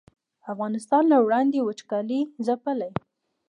افغانستان له وړاندې وچکالۍ ځپلی